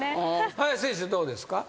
林選手どうですか？